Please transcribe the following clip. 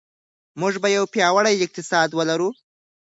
موږ به یو پیاوړی اقتصاد ولرو.